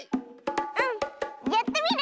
うんやってみる！